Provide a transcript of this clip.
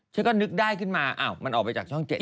ฉันก็นึกได้ขึ้นมามันออกไปจากช่อง๗